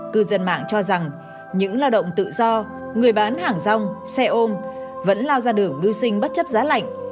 cư dân mạng cho rằng những lao động tự do người bán hàng rong xe ôm vẫn lao ra đường biêu sinh bất chấp giá lạnh